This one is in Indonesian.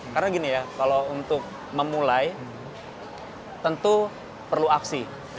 karena gini ya kalau untuk memulai tentu perlu aksi